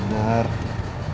burung merpati itu setiak ya